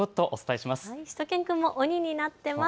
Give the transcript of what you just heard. しゅと犬くんも鬼になっています。